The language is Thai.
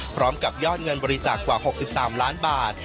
พร้อมกับยอดเงินบริจาคกว่า๖๓ล้านบาท